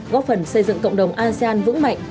góp phần xây dựng cộng đồng asean vững mạnh